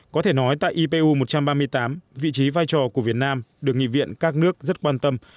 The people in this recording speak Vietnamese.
có thể nói tại ipu một trăm ba mươi tám vị trí vai trò của việt nam được nghị viện các nước rất quan tâm